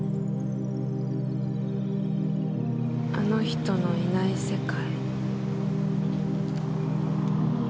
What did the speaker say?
あの人のいない世界。